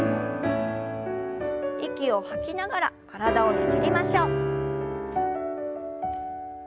息を吐きながら体をねじりましょう。